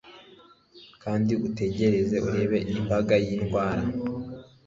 kandi utegereze urebe imbaga yindwara